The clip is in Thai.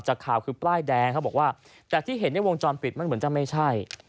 จากข่าวคือป้ายแดงเขาบอกว่าจากที่เห็นในวงจรปิดมันเหมือนจะไม่ใช่